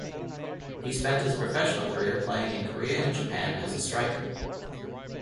He spent his professional career playing in Korea and Japan as a striker.